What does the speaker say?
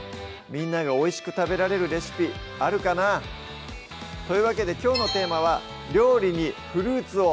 みんながおいしく食べられるレシピあるかな？というわけできょうのテーマは「料理にフルーツを！」